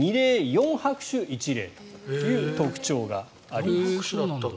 四拍手一礼という特徴があります。